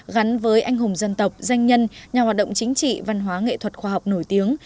gắn với anh hùng dân tộc danh nhân nhà hoạt động chính trị văn hóa nghệ thuật khoa học nổi tiếng